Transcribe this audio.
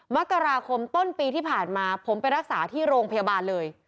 มกราคมต้นปีที่ผ่านมาผมไปรักษาที่โรงพยาบาลเลย